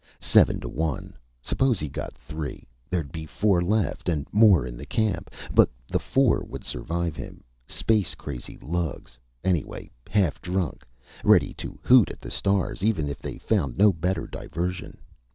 Seven to one. Suppose he got three. There'd be four left and more in the camp. But the four would survive him. Space crazy lugs. Anyway half drunk. Ready to hoot at the stars, even, if they found no better diversion.